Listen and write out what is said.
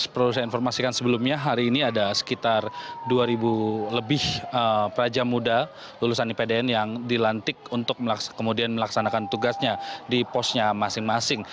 perlu saya informasikan sebelumnya hari ini ada sekitar dua lebih praja muda lulusan ipdn yang dilantik untuk kemudian melaksanakan tugasnya di posnya masing masing